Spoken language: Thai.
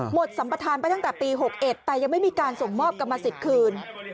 สัมประธานไปตั้งแต่ปี๖๑แต่ยังไม่มีการส่งมอบกรรมสิทธิ์คืน